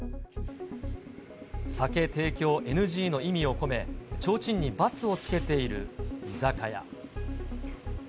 酒提供ＮＧの意味を込め、ちょうちんに×をつけている居酒屋。